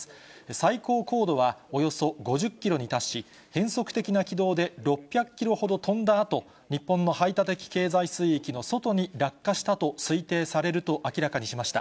最高高度はおよそ５０キロに達し、変則的な軌道で６００キロほど飛んだあと、日本の排他的経済水域の外に落下したと推定されると明らかにしました。